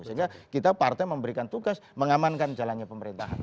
sehingga kita partai memberikan tugas mengamankan jalannya pemerintahan